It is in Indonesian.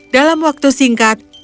dalam waktu singkat